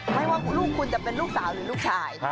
ไม่ว่าลูกคุณจะเป็นลูกสาวหรือลูกชาย